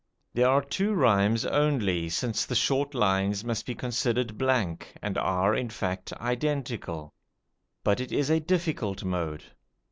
There are two rhymes only, since the short lines must be considered blank, and are, in fact, identical. But it is a difficult mode.